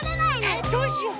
えっどうしよう。